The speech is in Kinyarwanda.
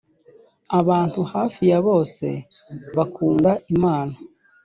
abantu hafi ya bose bakunda imana